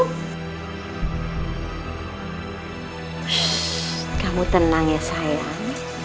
hah kamu tenang ya sayang